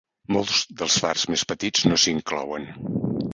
Molts dels fars més petits no s'inclouen.